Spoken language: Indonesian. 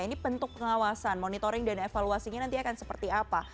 ini bentuk pengawasan monitoring dan evaluasinya nanti akan seperti apa